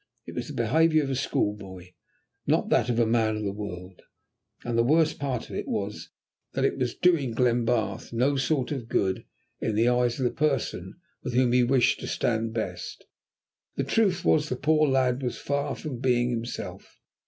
It was the behaviour of a school boy, not that of a man of the world; and the worst part of it was, that it was doing Glenbarth no sort of good in the eyes of the person with whom he wished to stand best. The truth was the poor lad was far from being himself.